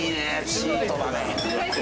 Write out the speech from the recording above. チートだね。